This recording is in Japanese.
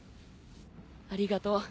ありがとう。